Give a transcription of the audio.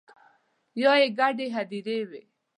یا يې ګډې هديرې وي